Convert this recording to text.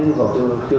nhu cầu tiêu thụ